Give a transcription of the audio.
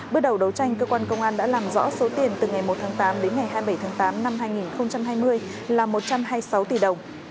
bước đầu đấu tranh cơ quan công an đã làm rõ số tiền từ ngày một tháng tám đến ngày hai mươi bảy tháng tám năm hai nghìn hai mươi là một trăm hai mươi sáu tỷ đồng